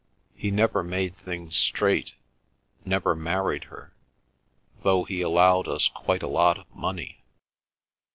He never made things straight—never married her—though he allowed us quite a lot of money.